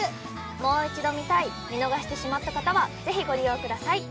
もう一度見たい見逃してしまった方はぜひご利用ください。